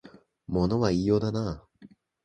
物は言いようだなあ